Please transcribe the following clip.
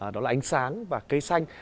đó là ánh sáng và cây xanh